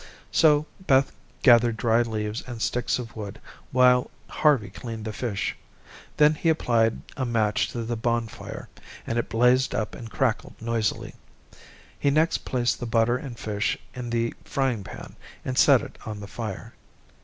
So Beth gathered dry leaves and sticks of wood while Harvey cleaned the fish. Then he applied a match to the bonfire, and it blazed up and crackled noisily. He next placed the butter and fish in the frying pan and set it on the fire.